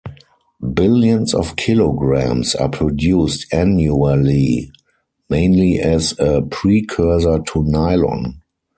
Billions of kilograms are produced annually, mainly as a precursor to nylon.